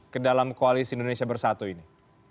ke dalam koalisi indonesia bersatu ini